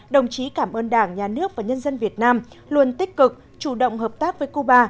đồng chí cảm ơn đảng nhà nước và nhân dân việt nam luôn tích cực chủ động hợp tác với cuba